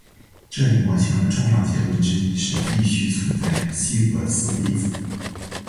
这一模型的重要结论之一是必须存在希格斯粒子。